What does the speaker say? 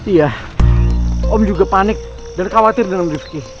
iya om juga panik dan khawatir dengan rifki